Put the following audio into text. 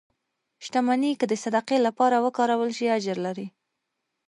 • شتمني که د صدقې لپاره وکارول شي، اجر لري.